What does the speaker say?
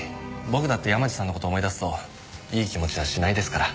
僕だって山路さんの事を思い出すといい気持ちはしないですから。